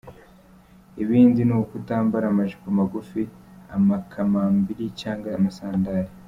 Ibindi ni ukutambara amajipo magufi, amakambambiri canke amasandare.